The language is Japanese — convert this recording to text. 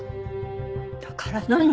だから何？